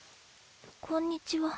こんにちは。